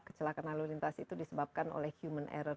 kecelakaan alurintasi itu disebabkan oleh human error